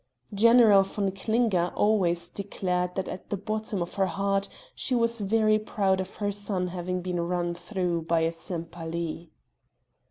General von Klinger always declared that at the bottom of her heart she was very proud of her son having been run through by a Sempaly.